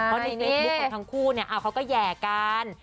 เพราะในเมสบุคคลทั้งคู่เขาก็แยกกัน